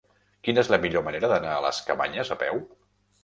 Quina és la millor manera d'anar a les Cabanyes a peu?